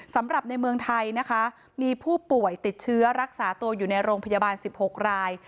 สำหรับในเมืองไทยนะคะมีผู้ป่วยติดเชื้อรักษาตัวอยู่ในโรงพยาบาล๑๖ราย